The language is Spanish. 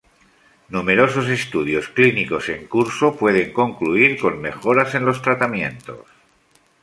Numerosos estudios clínicos en curso pueden concluir con mejoras en los tratamientos.